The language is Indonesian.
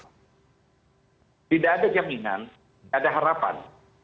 tidak ada jaminan tidak ada harapan